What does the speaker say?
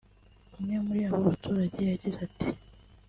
umwe muri abo baturage yagize ati